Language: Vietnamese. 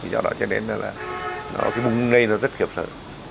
do đó cho nên là cái bụng này nó rất khiếp sợ